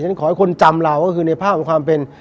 ฉะขอให้คนจำเราก็คือในภาพของความเป็น